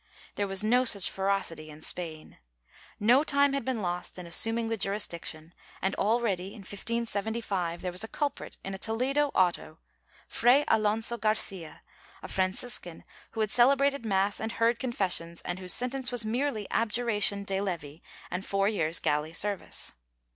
^ There was no such ferocity in Spain. No time had been lost in assuming the jurisdiction and already, in 1575, there was a culprit in a Toledo auto— Fray Alonso Garcia, a Franciscan — who had celebrated mass and heard confessions, and whose sen tence was merely abjuration de levi and four years' galley service.